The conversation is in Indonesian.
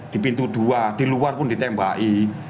di pintu dua diluar pun ditembaki